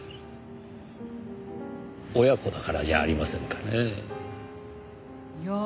親子だからじゃありませんかねぇ。